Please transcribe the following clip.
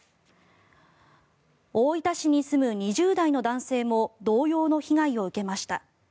大分市に住む２０代の男性も同様の被害を受けました。